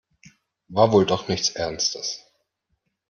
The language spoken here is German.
War wohl doch nichts Ernstes.